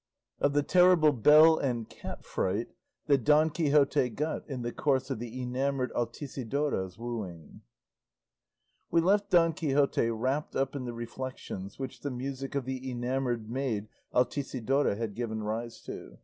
OF THE TERRIBLE BELL AND CAT FRIGHT THAT DON QUIXOTE GOT IN THE COURSE OF THE ENAMOURED ALTISIDORA'S WOOING We left Don Quixote wrapped up in the reflections which the music of the enamourned maid Altisidora had given rise to.